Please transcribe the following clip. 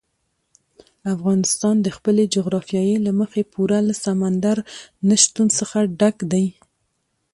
افغانستان د خپلې جغرافیې له مخې پوره له سمندر نه شتون څخه ډک دی.